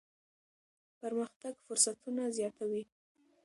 پرمختګ فرصتونه زیاتوي.